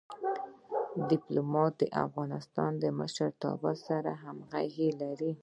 ډيپلومات د هېواد له مشرتابه سره همږغي لري.